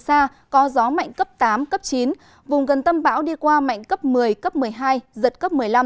xa có gió mạnh cấp tám cấp chín vùng gần tâm bão đi qua mạnh cấp một mươi cấp một mươi hai giật cấp một mươi năm